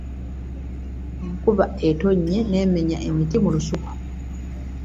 Enkuba etonnye n'emenya n'emiti mu lusuku.